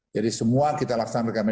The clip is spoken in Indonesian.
jadi semua kita laksanakan